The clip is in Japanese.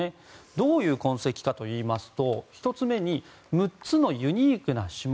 どういう痕跡かといいますと１つ目に６つのユニークな指紋。